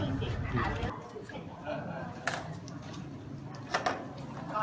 คนที่สิ่งสิ่งของวันนี้นะคะ